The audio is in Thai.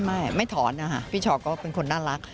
ไม่ไม่ถอนนะคะพี่ชอก็เป็นคนน่ารัก